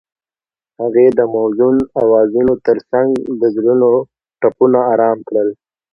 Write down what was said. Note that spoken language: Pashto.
هغې د موزون اوازونو ترڅنګ د زړونو ټپونه آرام کړل.